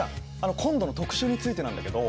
今度の特集についてなんだけど。